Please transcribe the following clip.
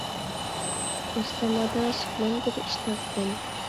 رۇستەم: ئاداش، مەن بىر ئىش تاپتىم!